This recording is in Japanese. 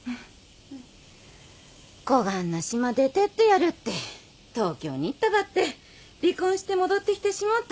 こがんな島出てってやるって東京に行ったばって離婚して戻ってきてしもうた。